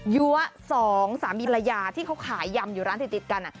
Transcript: ยั้ว๒๓ละยาที่เขาขายยำอยู่ร้านติดกัน